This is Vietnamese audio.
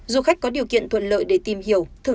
du khách có điều kiện thuận lợi để tìm hiểu